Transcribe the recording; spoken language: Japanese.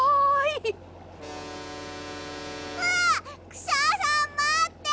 クシャさんまって！